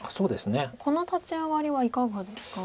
この立ち上がりはいかがですか？